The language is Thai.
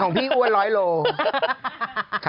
ของพี่อ้วน๑๐๐กิโลกรัม